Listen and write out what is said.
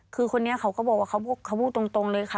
คือคนนี้เขาก็บอกว่าเขาพูดตรงเลยค่ะ